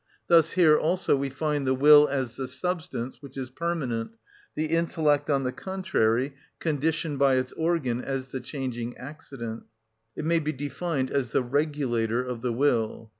Thus here also we find the will as the substance which is permanent, the intellect, on the contrary, conditioned by its organ, as the changing accident. It may be defined as the regulator of the will.